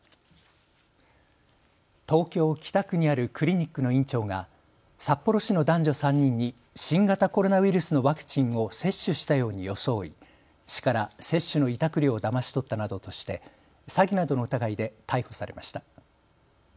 東京北区にあるクリニックの院長が札幌市の男女３人に新型コロナウイルスのワクチンを接種したように装い、市から接種の委託料をだまし取ったなどとして詐欺などの疑いで逮捕されました。